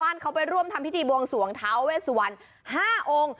ชาวบ้านเขาไปร่วมทำพิธีบวงสวงเท้าเวชสุวรรณห้าองค์